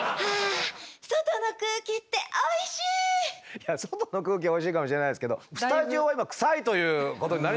いや外の空気はおいしいかもしれないですけどスタジオは今臭いということになりますけども。